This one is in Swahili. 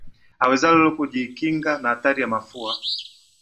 awezalo kujikinga na hatari ya mafua